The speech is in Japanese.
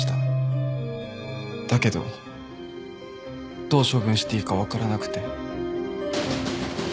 だけどどう処分していいかわからなくて。